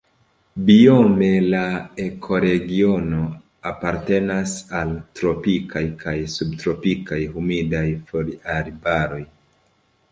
Biome la ekoregiono apartenas al tropikaj kaj subtropikaj humidaj foliarbaroj.